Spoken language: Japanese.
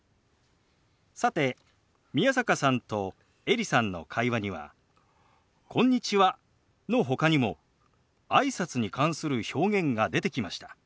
さて宮坂さんとエリさんの会話には「こんにちは」のほかにもあいさつに関する表現が出てきました。